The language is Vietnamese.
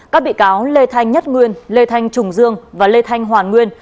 các bị cáo lê thanh nhất nguyên lê thanh trùng dương và lê thanh hoàn nguyên